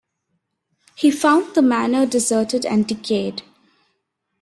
He found the manor deserted and decayed.